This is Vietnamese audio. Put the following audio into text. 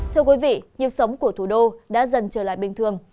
thưa quý vị nhịp sống của thủ đô đã dần trở lại bình thường